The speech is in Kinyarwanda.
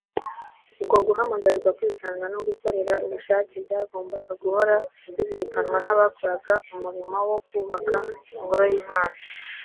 uko guhamagarirwa kwitanga no gukorera ubushake byagombaga guhora bizirikanwa n'abakoraga umurimo wo kubaka ingoro y'imana